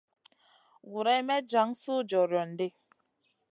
Guroyn may jan suh jorion ɗi.